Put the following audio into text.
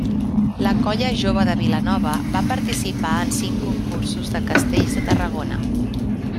La Colla Jove de Vilanova va participar en cinc concursos de castells de Tarragona.